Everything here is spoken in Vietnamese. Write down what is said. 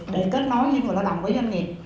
để kết nối với người lao động với doanh nghiệp